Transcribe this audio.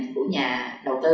của nhà đầu tư